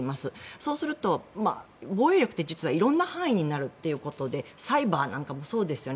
そうすると防衛力って実は色んな範囲になるということでサイバーなんかもそうですよね。